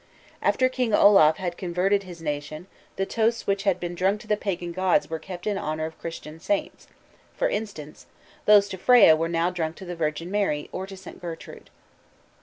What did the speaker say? After King Olaf had converted his nation, the toasts which had been drunk to the pagan gods were kept in honor of Christian saints; for instance, those to Freya were now drunk to the Virgin Mary or to St. Gertrude.